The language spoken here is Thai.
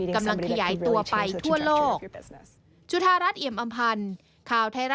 กำลังขยายตัวไปทั่วโลก